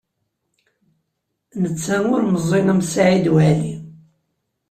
Netta ur meẓẓiy am Saɛid Waɛli.